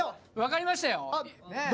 分かりましたよ。